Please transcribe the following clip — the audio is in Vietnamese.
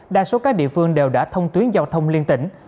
đa số các địa phương đều đã thông tuyến giao thông liên tỉnh